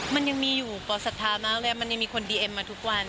มันยังมีอยู่ปลศรัทธามากเลยมันยังมีคนดีเอ็มมาทุกวัน